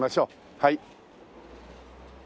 はい。